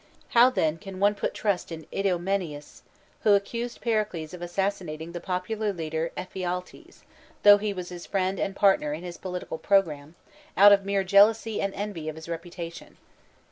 How, then, can one put trust in Idomeneus, who accuses Pericles of assassinating the popular leader Ephialtes, though he was his friend and a partner in his political program, out of mere jealousy and envy of his reputation?